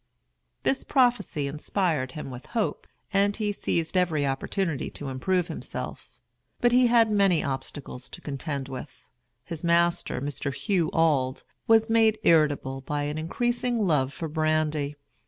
This prophecy inspired him with hope, and he seized every opportunity to improve himself. But he had many obstacles to contend with. His master, Mr. Hugh Auld, was made irritable by an increasing love for brandy.